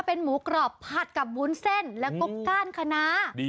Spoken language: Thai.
เป็นหมูกรอบผัดกับวุ้นเส้นแล้วก็ก้านคณะ